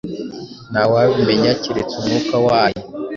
nta wabimenya keretse Umwuka wayo….”.